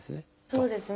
そうですね。